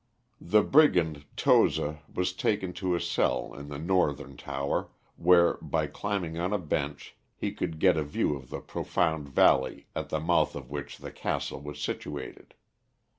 The brigand Toza was taken to a cell in the northern tower, where, by climbing on a bench, he could get a view of the profound valley at the mouth of which the castle was situated.